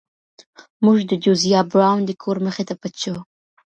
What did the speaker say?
موږ د جوزیا براون د کور مخې ته پټ شو.